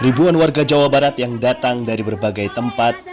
ribuan warga jawa barat yang datang dari berbagai tempat